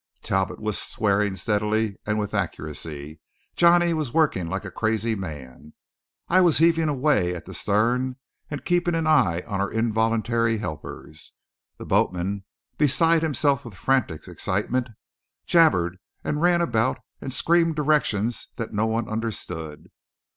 Talbot was swearing steadily and with accuracy; Johnny was working like a crazy man; I was heaving away at the stern and keeping an eye on our involuntary helpers. The boatman, beside himself with frantic excitement, jabbered and ran about and screamed directions that no one understood.